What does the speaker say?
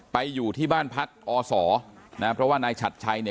ไปอยู่ที่บ้านพักอศนะเพราะว่านายฉัดชัยเนี่ย